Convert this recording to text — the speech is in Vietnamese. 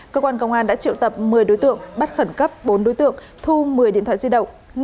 cơ quan công an đã triệu tập một mươi đối tượng bắt khẩn cấp bốn đối tượng thu một mươi điện thoại di động